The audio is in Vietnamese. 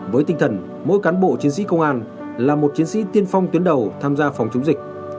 với tinh thần mỗi cán bộ chiến sĩ công an là một chiến sĩ tiên phong tuyến đầu tham gia phòng chống dịch